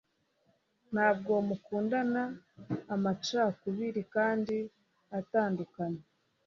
ntabwo mukundana amacakubiri kandi atandukanye